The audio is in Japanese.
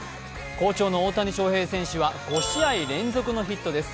好調の大谷翔平選手は５試合連続のヒットです。